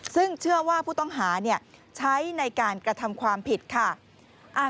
ซึ่งเชื่อว่าผู้ต้องหาใช้ในการกระทำความผิดค่ะ